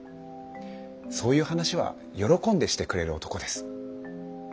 そういう話は喜んでしてくれる男です。